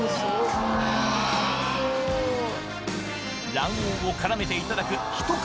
卵黄を絡めていただく一口